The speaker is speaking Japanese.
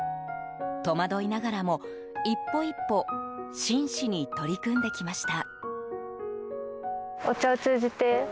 戸惑いながらも一歩一歩真摯に取り組んできました。